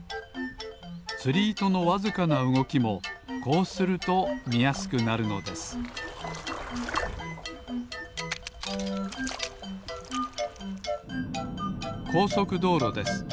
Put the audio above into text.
つりいとのわずかなうごきもこうするとみやすくなるのですこうそくどうろです。